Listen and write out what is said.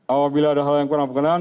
apabila ada hal yang kurang berkenan